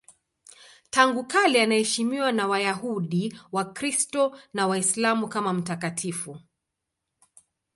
Tangu kale anaheshimiwa na Wayahudi, Wakristo na Waislamu kama mtakatifu.